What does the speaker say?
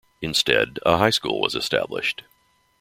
Instead, a high school was established.